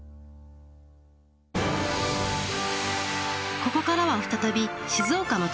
ここからは再び静岡の旅。